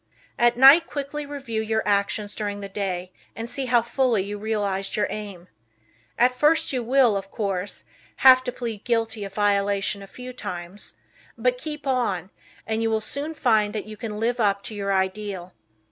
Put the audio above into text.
At night quickly review your actions during the day and see how fully you realized your aim. At first you will, of course, have to plead guilty of violation a few times, but keep on, and you will soon find that you can live up to your ideal.